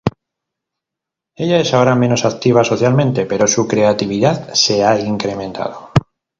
Ella es ahora menos activa socialmente, pero su creatividad se ha incrementado.